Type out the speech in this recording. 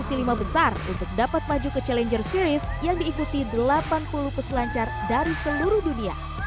berisi lima besar untuk dapat maju ke challenger series yang diikuti delapan puluh peselancar dari seluruh dunia